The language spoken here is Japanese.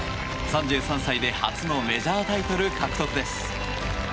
３３歳で初のメジャータイトル獲得です。